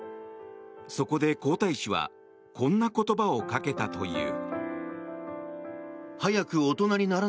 そこで皇太子はこんな言葉をかけたという。